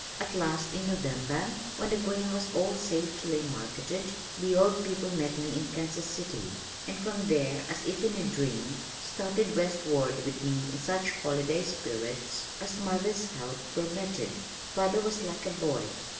At last in November, when the grain was all safely marketed, the old people met me in Kansas City, and from there as if in a dream, started westward with me in such holiday spirits as mother's health permitted. Father was like a boy.